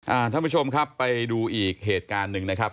ท่านผู้ชมครับไปดูอีกเหตุการณ์หนึ่งนะครับ